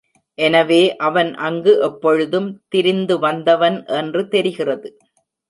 எனவே அவன் அங்கு எப்பொழுதும் திரிந்து வந்தவன் என்று தெரிகிறது.